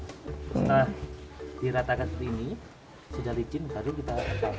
setelah diratakan seperti ini sudah licin baru kita